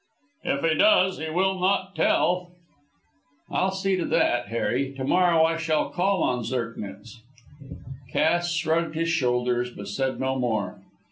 "If he does he will not tell." "I'll see about that, Harry. To morrow I shall call on Zirknitz." Cass shrugged his shoulders, but said no more.